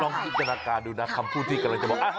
จินตนาการดูนะคำพูดที่กำลังจะบอก